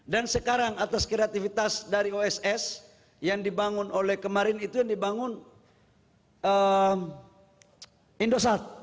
sekarang atas kreativitas dari oss yang dibangun oleh kemarin itu yang dibangun indosat